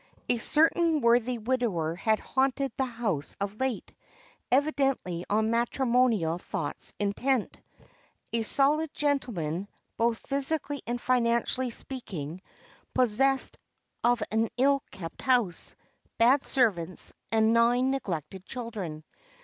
A certain worthy widower had haunted the house of late, evidently on matrimonial thoughts intent. A solid gentleman, both physically and financially speaking; possessed of an ill kept house, bad servants, and nine neglected children.